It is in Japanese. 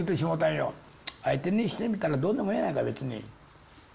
相手にしてみたらどうでもええやないか別に。